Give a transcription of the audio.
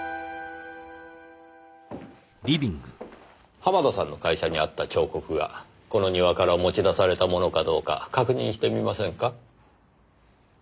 濱田さんの会社にあった彫刻がこの庭から持ち出されたものかどうか確認してみませんか？